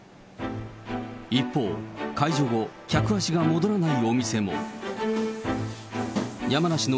一方、解除後、客足が戻らないお店も。